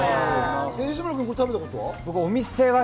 磯村君、食べたことは？